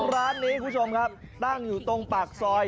ร้านนี้คุณผู้ชมครับตั้งอยู่ตรงปากซอย